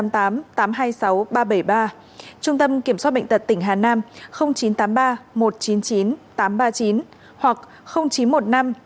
trung tâm kiểm soát bệnh tật tỉnh hà nam chín trăm tám mươi ba một trăm chín mươi chín tám mươi tám